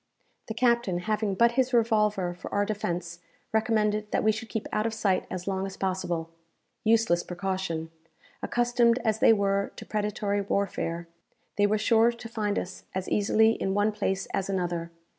The captain, having but his revolver for our defence, recommended that we should keep out of sight as long as possible. Useless precaution! Accustomed as they were to predatory warfare, they were sure to find us as easily in one place as another.